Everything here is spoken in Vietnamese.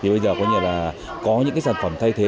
bây giờ có những sản phẩm thay thế